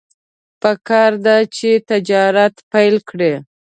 پکار ده چې تجارت پیل کړي.